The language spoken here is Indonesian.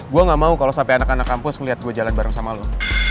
gua gak mau kalo sampe anak anak kampus ngeliat gua jalan bareng sama lu